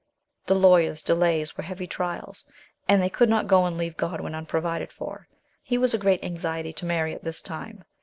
The lawyers' delays were heavy trials, and they could not go and leave Godwin unprovided for ; he was a great anxiety to Mary at this time.